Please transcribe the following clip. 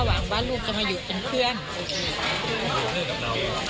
ใช่ว่าลูกรอว่าจะย้ายมาอยู่น้องทองค่ะแม่